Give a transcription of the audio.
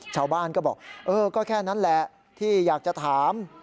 ชาวบ้านก็บอกเออก็แค่นั้นแหละที่อยากจะถาม